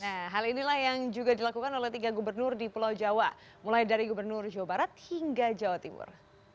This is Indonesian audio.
nah hal inilah yang juga dilakukan oleh tiga gubernur di pulau jawa mulai dari gubernur jawa barat hingga jawa timur